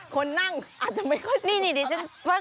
คนที่นั่งอาจจะไม่ค่อยสบ